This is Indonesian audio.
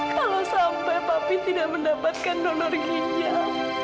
kalau sampai papi tidak mendapatkan donor ginjal